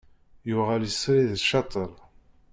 Yuɣal, isɣi d ccateṛ.